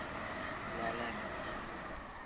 Ләлә, мин...